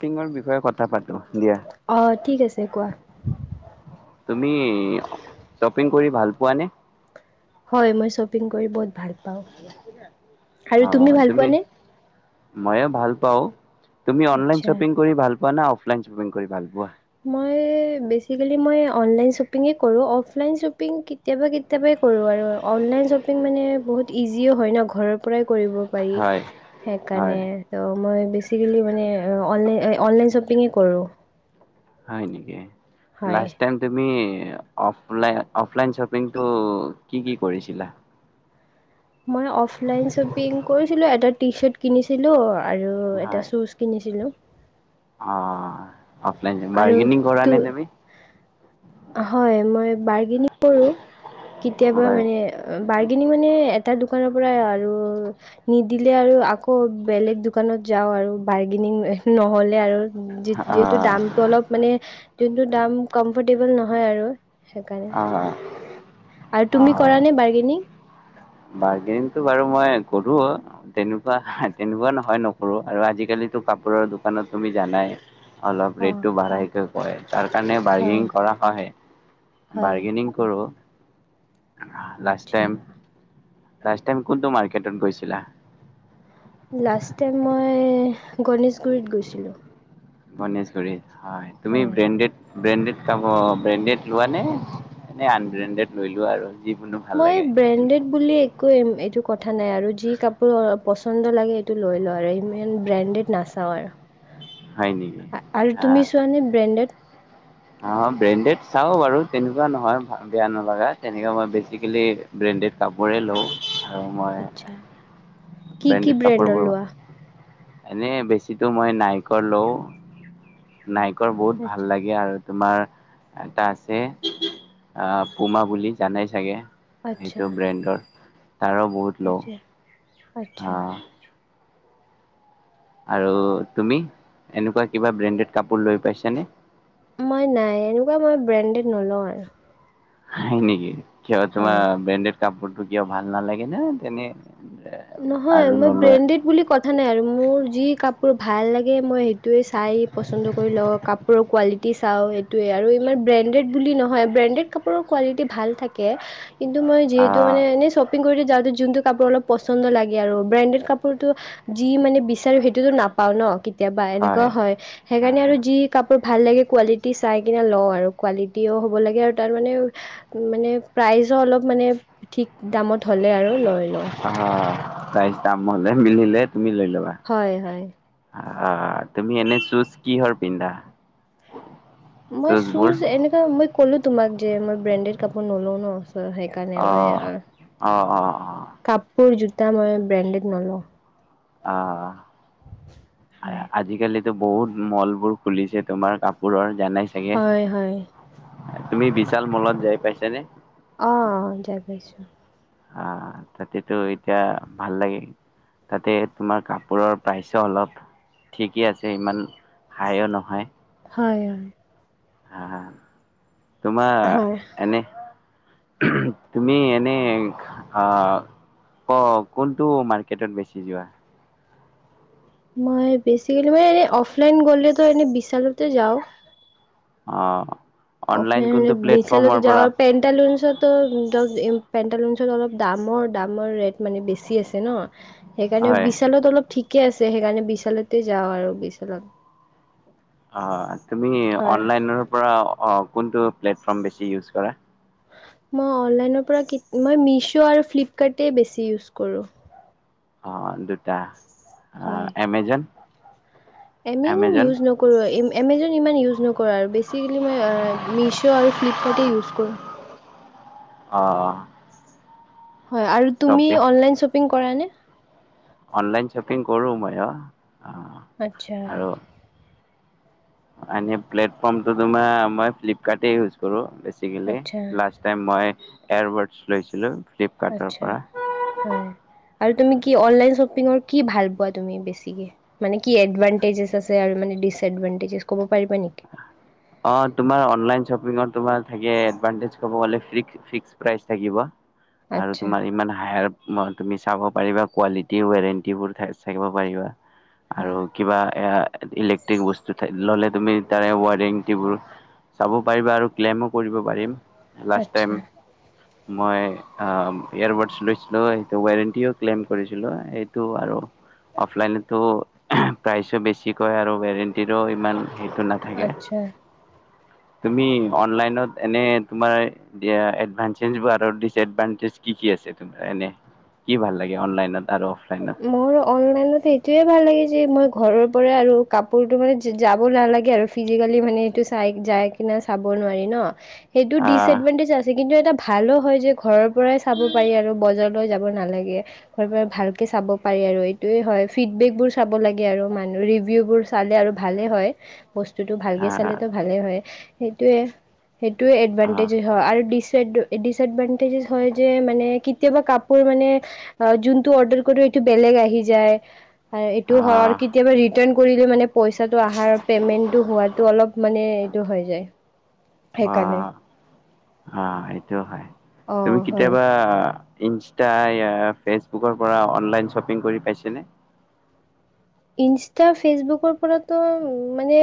টিঙৰ বিষয়ে কথা পাতো দিয়া। অঁ ঠিক আছে কোৱা তুমি শ্বপিং কৰি ভাল পোৱানে? হয় মই শ্বপিং কৰি বহুত ভাল পাওঁ আৰু অ', ভাল তুমি পোৱানে মইয়ো ভাল পাওঁ। তুমি অনলাইন আচ্ছা শ্বপিং কৰি ভাল পোৱা না অফলাইন শ্বপিং কৰি ভাল পোৱা? মই বেছিকেলি মই অনলাইন শ্বপিঙেই কৰোঁ অফলাইন শ্বপিং কেত কেতিয়াবা কেতিয়াবাই কৰোঁ আৰু অনলাইন শ্বপিং মানে বহুত ইজিও হয় ন ঘৰৰ পৰাই কৰিব পাৰি হয় হয় সেইকাৰণে। ত মই বেচিকেলি মানে অনলাইন অনলাইন শ্বপিঙে কৰোঁ। হয় নেকি হয় লাষ্টটাইম তুমি অফলাইন অফলাইন শ্বপিংটো কি কি কৰিছিলা? মই অফলাইন শ্বপিং কৰিছিলো এটা টি চাৰ্ট কিনিছিলো আৰু এটা হয় চুজ কিনিছিলোঁ। অ', অফলাইন আৰু বাৰ্গেনিং কৰা তো নে তুমি? হয় মই বাৰগং কৰো কেতিয়াবা হয় মানে বাৰ্গেনিং মানে এটা দোকানৰ পৰাই আৰু নিদিলে আৰু আকৌ বেলেগ দোকানত যাওঁ আৰু বাৰ্গেনিং নহ'লে আৰু। যি অ যিহেতু দামটো অলপ মানে যোনটো দাম কমফৰ্টেবোল নহয় আৰু। সেইকাৰণে অ আৰু তুমি অ কৰা নে বাৰ্গেনিং? বাৰ্গেনিংটো বাৰু মই কৰো। তেনেকুৱা তেনেকুৱা নহয় নকৰো আৰু আজিকালিতো কাপোৰৰ দোকানত তুমি জানাই। অলপ অ ৰেটটো বাঢ়াইকৈ কয়। তাৰ কাৰণে হয় বাৰ্গেনিং কৰা হয়, হয় বাৰ্গেনিং কৰোঁ। লাষ্ট আচ্ছা টাইম লাষ্ট টাইম কোনটো মাৰ্কেটত গৈছিলা? লাষ্ট টাইম মই গণেশগুৰিত গৈছিলোঁ। গণেশগুৰিত হয় তুমি ব্ৰেণ্ডেড ব্ৰেণ্ডেড খাব ব্ৰেণ্ডেড লোৱা নে এনে আনব্ৰেণ্ডেড লৈ লোৱা আৰু। যিকোনো ভাল মই লাগে ব্ৰেণ্ডেড বুলি একো এইটো কথা নাই আৰু যি কাপোৰ পচন্দ লাগে এইটো লৈ লওঁ আৰু ইমান ব্ৰেণ্ডেড নাচাওঁ আৰা হয় নেকি আহ। মানে ব্ৰেণ্ডেড অ ব্ৰেণ্ডেড চাওঁ বাৰু তেনেকুৱা নহয় বেয়া নলগা তেনেকুৱা মই বেছিকিলি ব্ৰেণ্ডেড কাপ কাপোৰেই লওঁ আৰু আচ্ছা মই কি কি ব্ৰেণ্ডেড ব্ৰেণ্ডৰ কাপোৰবোৰ লোৱা এনে বেছিতো মই নাইকৰ লওঁ নাইকৰ বহুত ভাল আচ্ছা লাগে আৰু। তোমাৰ এটা আছে আহ পুমা বুলি জানাই চাগে। সূইটো ব্ৰেণ্ডৰ তাৰো বহুত। লওঁ সেইটোৱে আচ্ছা। অ', আৰু তুমি এনেকুৱা কিবা ব্ৰেণ্ডেড কাপোৰ লৈ পাইছানে? মই নাই এনেকুৱা মই ব্ৰেণ্ডেড নলওঁ আৰু। হয় নেকি কিয় তোমাৰ হয় ব্ৰেণ্ডেড কাপোৰটো কিয় ভাল নালাগে ন তেনে। নহয় আৰু মই নলোৱা ব্ৰেডড বুলি ক কথা নাই আৰু মোৰ যি কাপোৰ ভাল লাগে মই সেইটোৱে চাই পচন্দ কৰি লওঁ কাপ কাপোৰৰ কোৱালিটি চাওঁ এইটোৱে আৰু ইমান ব্ৰেণ্ডেড বুলি নহয় ব্ৰেণ্ডেড কাপোৰৰ কোৱালিটি ভাল থাকে কিন্তু মই যিহেতু আহ মানে এনে শ্বপিং কৰি যাওঁ যোনটো কাপোৰ অলপ পচন্দ লাগে আৰু ব্ৰেণ্ডেড কাপোৰতো যি মানে বিচাৰো সেইটোতো নাপাওঁ ন। কেতিয়াবা এনেকুৱা হয় সেইকাৰণে আহ আৰু যি কাপোৰ ভাল লাগে কোৱালিটি চাই কিনে লওঁ আৰু কোৱালিটিও হ'ব লাগে আৰু তাৰ মানে- মানে প্ৰাইজো অলপ মানে ঠিক দামত হ'লে আৰু লৈ লওঁ। অ প্ৰাইজ দাম হলে মিলিলে তুমি লৈ ল'বা। হয় হয়। অ' তুমি এনেই চুজ কিহৰ পিন্ধা? মই চুজবোৰ চুজ এনেকা মই ক'লো তোমাক যে মই ব্ৰেণ্ডেড কাপোৰ নলওঁ ন চ সেনেকা- কাৰণে মই অ' অঁ অ' অ' অ' কাপোৰ জোতা মই ব্ৰেণ্ডেড নলওঁ। অঁ' হয়। আজিকালি- ত' বহুত মল বোৰ খুলিছে তোমাৰ কাপোৰৰ জানাইছ- হয় হয়। তুমি বিশাল মলত যাই পাইছা নে? অঁ' যাই পাইছো। অঁ তাতেতো এতিয়া ভাল লাগে। তাতে তোমাৰ কাপোৰৰ প্ৰাইছো অলপ- ঠিকেই আছে ইমান হায়ো নহয়। হয় হয়। আঁ তোমা হয় এনেই- তুমি এনেই আহ- ক কোনটো মাৰ্কেটত বেচি যোৱা? মই বেচিকেলি মই এনেই অফলাইন গলেতো এনেই বিশালতে যাওঁ। অঁ' অফলাইন হলে বিশালত যাওঁ, পেন্টালোনচত- ত ধৰক পেণ্টালুনচত অলপ দামৰ দামৰ ৰেট মানে বেছি আছে ন, - সেইকাৰণে হয় বিশালত অলপ ঠিকে আছে সেইকাৰণে বিশালতে যাওঁ আৰু বিশালত। অঁ তুমি হয়। অনলাইনৰ পৰা অঁ কোনটো প্লেটফৰ্ম বেছি ইউজ কৰা? মই অনলাইনৰ পৰা কিত মই মিছো আৰু ফ্লিপকাৰ্টেই বেছি ইউজ কৰোঁ। অঁ দুটা অঁ হয় এমেজন। এমেজন ইউজ নকৰোৱে এম এমেজন- ইমান ইউজ নকৰো আৰু বেচিকেলি মই আ মিছো আৰু ফ্লিপকাৰ্টেই ইউজ কৰোঁ। অঁ' অঁ' হয় আৰু তুমি অনলাইন শ্বপিং কৰা নে? অনলাইন শ্বপিং কৰোঁ মইও, অঁ। আৎচ্ছা। এনেই প্লেটফৰ্মটো তোমাৰ মই ফ্লিপকাৰ্ট ইউজ কৰো বেছিকেলি, আচ্ছা লাষ্ট- টাইম মই এয়াৰবাড্ছ লৈছিলো। আৎচ্ছা হয়। আৰু তুমি কি অনলাইন শ্বপিঙৰ কি ভাল পোৱা তুমি বেছিকে? মানে কি এডভানটেজেছ আছে আৰু মানে ডিচএডভানটেজেছ কব পাৰিবা নেকি? অঁ তোমাৰ অনলাইন শ্বপিংৰ তোমাৰ এডভান্টেজ কব গলে ফ্ৰিক- ফিক্স প্ৰাইচ থাকিব আৰু আচ্ছা তোমাৰ ইমান হায়াৰ- তুমি চাব পাৰিবা কোৱালিটিও ৱৰেণ্টিবোৰ থাকিব পাৰিবা, আৰু- কিবা ইলেক্ট্ৰিক বস্তু ল'লে তুমি তাৰে ৱাৰিং- টিবোৰ চাব পাৰিবা আৰু ক্লেমো কৰিব পাৰিম লাষ্ট আচ্ছা টাইম- মই আ ইয়াৰবাড্ছ লৈছিলো সেইটো ৱাৰেণ্টিও ক্লেইম কৰিছিলো, সেইটো আৰু। অফলাইনততো প্ৰাইচো বেছি কয় আৰু ৱেৰেণ্টিৰো ইমান সেইটো না- আচ্ছা। তুমি অনলাইনত এনে তোমাৰ দিয়া এডভান্টেজ আৰু দিছ এডভান্টেজ কি কি আছে তোমাৰ এনে? কি ভাল লাগে অনলাইনত আৰু অফলাইনত? মোৰ অনলাইনতে এইটোৱে ভাল লাগে যে মই ঘৰৰ পৰা আৰু কাপোৰটো মানে যাব নালাগে আৰু। ফিজিক্সেলি মানে চাই যাই কেনে চাব নোৱাৰি ন সেই টো ডিচ আহ এন্টমেত আছে কিন্তু এটা ভালো হয় যে ঘৰৰ পৰাই চাব আৰু বজাৰলৈ যাব নালাগে, ঘৰৰ পৰাই ভাল চাব পাৰি আৰু এইটোয়ে হয় ফিডবেক বোৰ চাব লাগে, আৰু মানুহ ৰিভিউ বোৰ চালে আৰু ভালে হয়। বস্তুতটো ভালকে আহ চালেতো ভালে হয়, সেইটোৱেই। সেইটোৱে আহ এডভানটেজে হয়, আৰু ডিচএড ডিচএডভানটেজেছ হয় যে মানে কি কেতিয়াবা কাপোৰ মানে যোনটো অৰ্ডাৰ কৰোঁ এইটো বেলেগ আহি যায়, এইটো হয়। আহ কেতিয়াবা ৰিটাৰ্ণ কৰিলে মানে পইচাটো আহাৰ পেমেন্টটো হোৱাটো অলপ মানে এইটো হৈ যায়। সেইকাৰণে। অ', এইটোও হয়। অঁ তুমি হয় কেতিয়াবা ইনষ্টা ইয়া ফেচবুকৰ পৰা অনলাইন শ্বপিং কৰি পাইছানে? ইনষ্টা ফেচবুকৰ পৰাতো মানে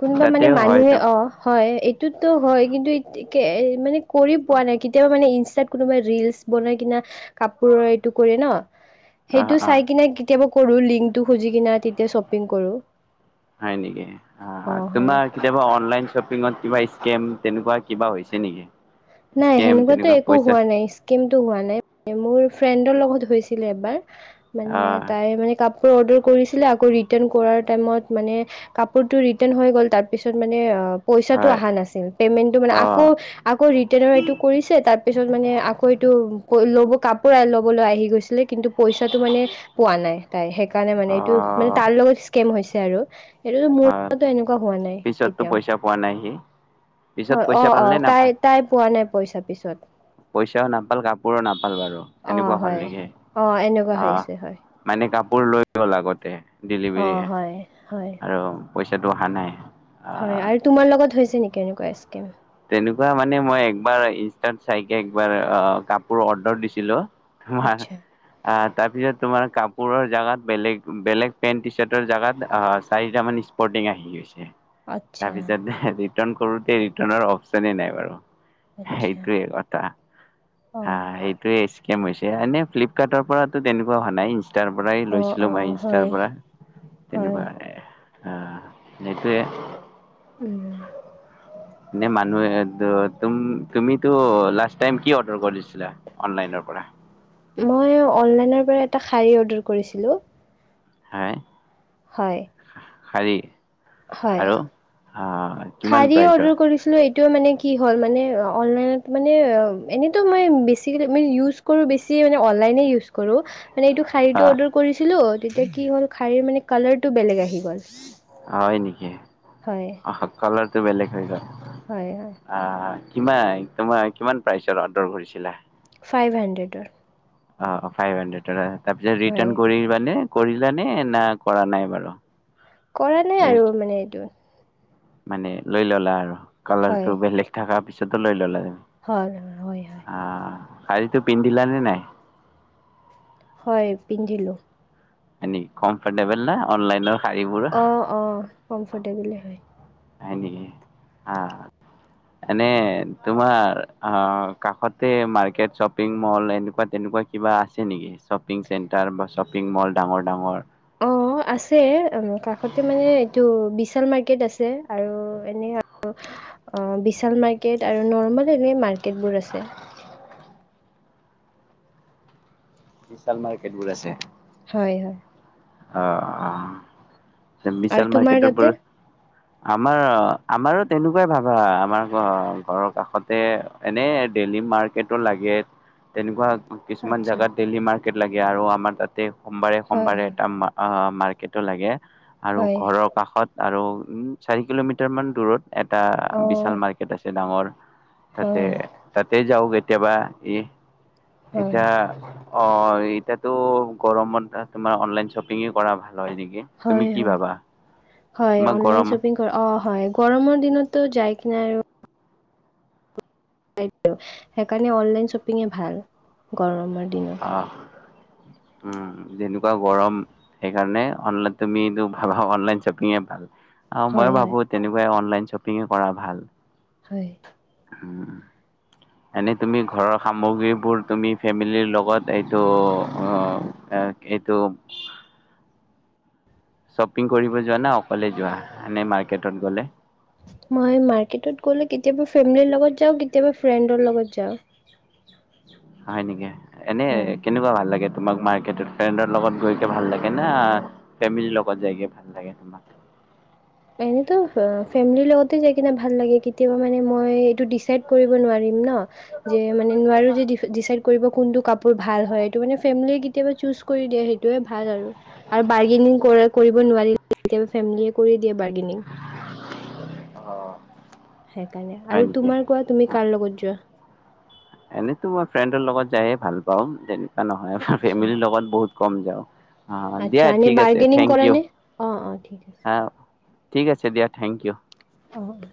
কোনোবা মানে তাতেও হয় ত মানুহে অ', হয়। টোতো হয়, কিন্তু মানে কৰি পোৱা নাই কেতিয়াবা মানে ইনষ্টাত কোনোবা ৰৰিলচ বনাই কিনে কাপোৰৰ এইটো কৰে ন। অ সেইটো অ চাই কিনে কেতিয়াবা কৰো লিংকটো খুজি কিনে তেতিয়া শ্বপিং কৰোঁ। হয় নেকি? অ', অঁ হয় তোমাৰ কেতিয়াবা অনলাইন শ্বপিঙত কিবা স্কেম তেনেকুৱা কিবা হৈছে নেকি? নাই স্কেম হেনেকুৱাতো তেনেকুৱা একো পইচা হোৱা নাই। ইষ্কেমটো হোৱা নাই। মোৰ ফ্ৰেণ্ডৰ লগত হৈছিলে এবাৰ। হয় তাই মানে কাপ আকৌ অৰ্ডাৰ কৰিছিলে আকৌ ৰিটাৰ্ণ কৰাৰ টাইমত মানে কাপোৰতটো ৰিটাৰ্ণ হৈ গল, তাৰ পিছত মানে অ পইচাটো হয় অহা নাছিল, পেমেন্টটো মানে অ আকৌ আকৌ ৰি তেনে এইটো কৰিছে, তাৰপিছত মানে আকৌ এইটো ল'ব কাপোৰ ল'বলৈ আহি গৈছিলে কিন্তু পইচাটো মানে পোৱা নাই তাই সেইকাৰণে মানে এইটো মানে অ', তাৰ লগত স্কেম হৈছে আৰু। হেটোতো মোৰো হয়, তাতে এনেকুৱা হোৱা নাই পিছততো কেতিয়াও। পইচা পোৱা নাইহি? অ', অ', তাই পোৱা নাই পইচা পিছত। পইচাও নাপাল কাপোৰো নাপাল বাৰু, অঁ এনেকুৱা হল হয় নেকি? অঁ এনেকুৱা অ'। হৈছে হয় মানে কাপোৰ লৈ গ'ল আগতে অঁ ডেলিভাৰীয়ে, হয় হয় আৰু পইচাটো অহা নাই। হয়, আহ, আৰু তোমাৰ লগত হৈছে নেকি এনেকুৱা স্কেম? তেনেকুৱা মানে মই একবাৰ ইনষ্টাত চাইকে একবাৰ কাপোৰ অৰ্ডাৰ দিছিলোঁ। [unintelligible] আচ্ছা আ, তাৰপিছত তোমাৰ কাপোৰৰ জেগাত বেলেগ বেলেগ পেণ্ট টি চাৰ্টৰ জেগাত আ, চাৰিটামান স্প পৰৰ্টিং আহি গৈছে। আচ্ছা তাৰপিছত ৰিটাৰ্ণ কৰোতে ৰিটাৰণ অপচনে নাই বাৰু। আচ্ছা এইটোৱে কথা, হা অঁ এইটোৱে ষ্কেম হৈছে, এনে ফ্লিপকাৰ্টৰ পৰাতো তেনেকুৱা হোৱা নাই [unintelligible] ইষ্টাৰ পৰাই অঁ লৈছিলোঁ মই অঁ ইনষ্টটাৰ হয় পৰা, হয় তেনেকুৱা। অ', হেইটোয়েই। উম। এনে মানুহে তো তুম তুমিতো লাষ্ট টাইম কি অৰ্ডাৰ কৰিছিলা অনলাইনৰ পৰা? মই অনলাইনৰ পৰা এটা শাৰি অৰ্ডাৰ কৰিছিলোঁ। হায়। হয়। শাৰী? হয়, আৰু আহ কিমান শাৰী প্ৰাইচৰ অৰ্ডাৰ কৰিছিলো এই টো মানে কি হ'ল মানে অনলাইনত মানে এনেইতো মই বেছিকেলি মই ইউজ কৰো বেছি মানে অনলাইনেই ইউজ কৰো। মানে এইটো শাৰীটো আহ অৰ্ডাৰ কৰিছিলোঁ তেতিয়া কি হ'ল শাৰীৰ মানে কালাৰটো বেলেগ আহি গ'ল। হয় নেকি? হয়। আহা কালাৰটো বেলেগ হৈ গ'ল। হয় হয়। আ কিমান তোমাৰ কিমান প্ৰাইচত অৰ্ডাৰ কৰিছিলা? ফাইভ হাণ্ড্ৰেডৰ। অ ফাইভ হাণ্ড্ৰেডৰ তাৰ পিছত হয় ৰিটান কৰিবানে কৰিলানে না কৰা নাই বাৰু? কৰা নাই এই আৰু মানে এইটো। মানে লৈ ললা আৰু কালাৰটো বেলেগ থকা পিছতো লৈ ললা তুমি। হয় হয় হয়। আ, শাৰীটো পিন্ধিলানে নাই? হয় পিন্ধিলোঁ। এনে কমফৰ্টেবল নে অনলাইনৰ শাড়ীবোৰো? অঁ অঁ কমফৰ্টেবলে হয়। হয় নেকি আ। এনে তোমাৰ অ কাষতে মাৰ্কেট, শ্বপিং মল এনেকুৱা তেনেকুৱা কিবা আছে নেকি শ্বপিং চেণ্টাৰ বা শ্বপিং মল ডাঙৰ - ডাঙৰ? অঁ আছে উম কাষতে মানে এইটো বিশাল মাৰ্কেট আছে আৰু এনে আৰু অ বিশাল মাৰ্কেট আৰু নৰ্মেলি এনে মাৰ্কেটবোৰ আছে। বিশাল মাৰ্কেটবোৰ আছে। হয় হয়। আহ, আৰু বিশাল তোমাৰ মাৰ্কেটৰ তাতে পৰা আমাৰ আমাৰো তেনেকুৱাই ভাবা আমাৰ ঘ ঘৰৰ কাষতে এনেই ডেলি মাৰ্কেটো লাগে। তেনেকুৱা কিছুমান আচ্ছা জেগাত ডেইলি মাৰ্কেট লাগে আৰু আমাৰ তাতে সোমবাৰে হয় সোমবাৰে হয় আমমা আ মাৰ্কেটো লাগে আৰু হয় ঘৰক কাষত আৰু চাৰি কিলোমিটাৰমান দূৰত এটা অঁ বিশাল মাৰ্কেট আছে ডাঙৰ তাতে হয় হয় তাতে যাওঁ কেতিয়াবা এই হয় এতিয়া অ এতিয়াতো গৰমত আ তোমাৰ অনলাইন শ্বপিঙে কৰা ভাল হয় নেকি? তুমি হয় কি হয়, ভাবা হয় তোমাক অনলাইন গৰম শ্বপিং কৰ অ হয় গৰমৰ দিনতো যাই কি নাই আৰু সেইটো, সেইকাৰণে অনলাইন শ্বপিংয়েই ভাল গৰমৰ দিনত। আহ, উম যেনেকুৱা গৰম। সেইকাৰণে অনলাইন তুমি ভাবা অনলাইন শ্বপিঙে ভাল। অ হয় মইয়ো হয় ভাবো তেনেকুৱাই অনলাইন শ্বপিঙে কৰা ভাল। হয়। উম। এনে তুমি ঘৰৰ সামগ্ৰীবোৰ তুমি ফেমিলিৰ লগত এইটো আহ এইটো শ্বপিং কৰিব যোৱা নে অকলে যোৱা এনেই মাৰ্কেটত গ'লে? মই মাৰ্কেটত গ'লে কেতিয়াবা ফেমিলিৰ লগত যাওঁ কেতিয়াবা ফ্ৰেণ্ডৰ লগত যাওঁ। হয় নেকি, এনে হয় কেনেকুৱা ভাল লাগে। তোমাক মাৰ্কেটত ফ্ৰেণ্ডৰ লগত গৈকে ভাল লাগে না ফেমিলিৰ লগত যাইগে ভাল লাগে তোমাক? এনেইতো ফেমিলিৰ লগতে যাই কিনে ভাল লাগে কেতিয়াবা মানে মই এইটো ডিচাইড কৰিব নোৱাৰিম ন। যে মানে নোৱাৰো যে ডি ডিচাইড কৰিব কোনটো কাপোৰ ভাল হয় এইটো মানে ফেমিলিয়ে কেতিয়াবা চুজ কৰি দিয়ে সেইটোয়ে ভাল আৰু। আৰু বাৰ্গেনিং কৰা কৰিব নোৱাৰিলে কেতিয়াবা ফেমিলীয়ে কৰি দিয়ে বাৰ্গেনিং। অ। সেইকাৰণে হয় আৰু নেকি? তোমাৰ কোৱা তুমি কাৰ লগত যোৱা? এনেইতো মই ফ্ৰেণ্ডৰ লগত যায়ে ভাল পাওঁ যেনেকুৱা নহয়, আচ্ছা ফেমিলিৰ লগত বহুত কম যাওঁ। অ দিয়া আচ্ছা, এনে ঠিক আছে বাৰ্গেনিং থেংক কৰা ইউ নে? অ', অ', ঠিক আছে, হ ঠিক আছে দিয়া থেংক ইউ। অ অ।